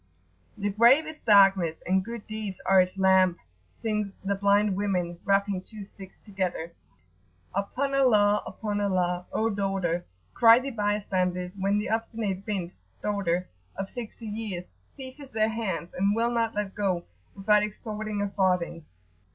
"The grave is darkness, and good deeds are its lamp!" sing the blind women, rapping two sticks together: "upon Allah! upon Allah! O daughter!" cry the bystanders, when the obstinate "bint"[FN#18] (daughter) of sixty years seizes their hands, and will not let go without extorting a farthing.